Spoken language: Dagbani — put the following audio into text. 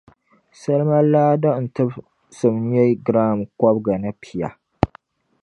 salima laa din tibisim nyɛ giram kɔbiga ni pia.